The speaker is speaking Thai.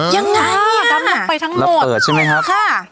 ยังไงดำลงไปทั้งหมดใช่ไหมครับค่ะ